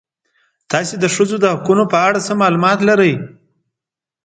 تاسې د ښځو د حقونو په اړه څه معلومات لرئ؟